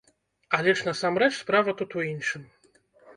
Але ж насамрэч справа тут у іншым.